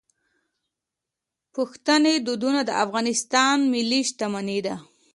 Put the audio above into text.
پښتني دودونه د افغانستان ملي شتمني ده.